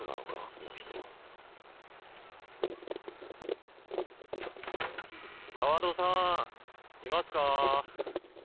この人川戸さんいますか？